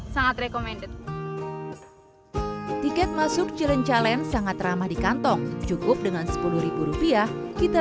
sangat recommended tiket masuk jalan jalan sangat ramah di kantong cukup dengan sepuluh rupiah kita